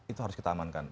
itu harus kita amankan